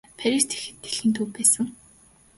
Парис тэгэхэд ч дэлхийн төв байсан.